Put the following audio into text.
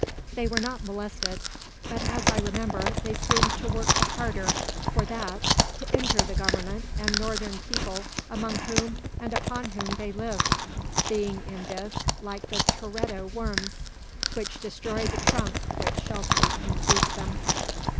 They were not molested; but, as I remember, they seemed to work the harder for that to injure the Government and Northern people among whom and upon whom they lived, being in this like the teredo worms, which destroy the trunk which shelters and feeds them.